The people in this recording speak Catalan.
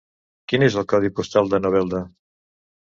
Quin és el codi postal de Novelda?